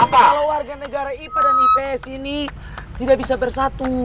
kalau warga negara ipa dan ips ini tidak bisa bersatu